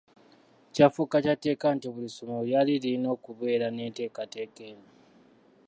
Kyafuuka kya tteeka nti buli ssomero lyali lirina okubeera n’enteekateeka eno.